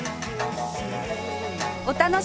お楽しみに！